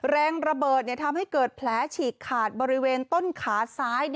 แรงระเบิดทำให้เกิดแผลฉีกขาดบริเวณต้นขาซ้าย